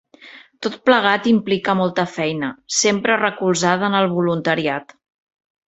Tot plegat implica molta feina, sempre recolzada en el voluntariat.